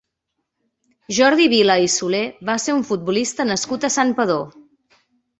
Jordi Vila i Soler va ser un futbolista nascut a Santpedor.